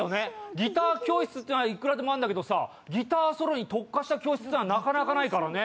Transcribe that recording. ギター教室っていうのはいくらでもあるんだけど、ギターソロに特化した教室はなかなかないからね。